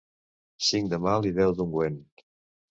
Cinc de mal i deu d'ungüent.